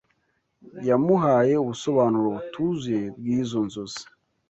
yamuhaye ubusobanuro butuzuye bw’izo nzozi